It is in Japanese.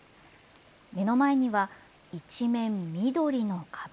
目の前には、一面緑の壁。